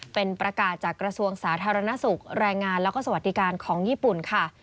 เป็นประกาศจากกระทรวงสาธารณสุขแรงงานแล้วก็สวัสดิการของญี่ปุ่นค่ะ